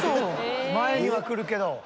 前には来るけど。